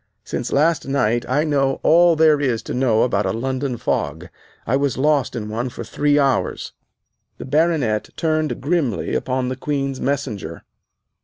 Since last night I know all that there is to know about a London fog. I was lost in one for three hours." The Baronet turned grimly upon the Queen's Messenger.